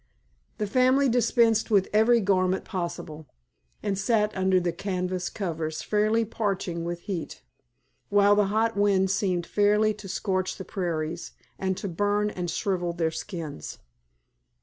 The family dispensed with every garment possible, and sat under the canvas covers fairly parching with heat, while the hot wind seemed fairly to scorch the prairies, and to burn and shrivel their skins.